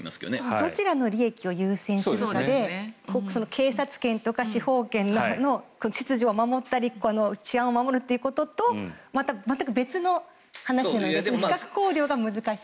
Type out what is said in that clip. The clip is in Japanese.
どちらの利益を優先するかで警察権とか司法権の秩序を守ったり治安を守るということと全く別の話で比較考慮が難しい。